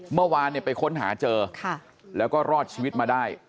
เมื่อวานไปค้นหาเจอแล้วก็รอดชีวิตมาได้